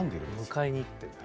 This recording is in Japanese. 迎えに行ってんだ。